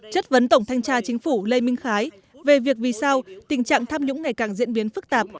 chất vấn tổng thanh tra chính phủ lê minh khái về việc vì sao tình trạng tham nhũng ngày càng diễn biến phức tạp